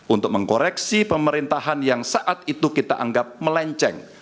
untuk mengkoreksi pemerintahan yang saat itu kita anggap melenceng